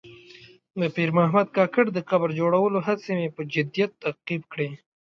د پیر محمد کاکړ د قبر جوړولو هڅې مې په جدیت تعقیب کړې.